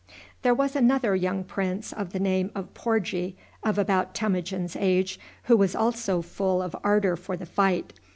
There was another young prince, of the name of Porgie, of about Temujin's age, who was also full of ardor for the fight.